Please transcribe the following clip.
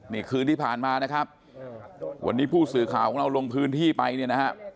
นี่คืนที่ผ่านมานะครับวันนี้ผู้สื่อข่าวของเราลงพื้นที่ไปเนี่ยนะฮะ